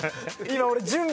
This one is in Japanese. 今俺。